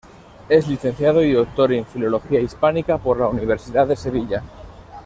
Es Licenciado y Doctor en Filología Hispánica por la Universidad de Sevilla.